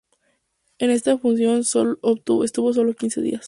En esta función estuvo solo quince días.